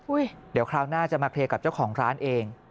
เดี๋ยวคราวหน้าจะมาเคลียร์กับเจ้าของร้านเอง